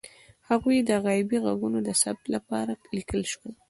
هغوی د غیبي غږونو د ثبت لپاره لیکل کول.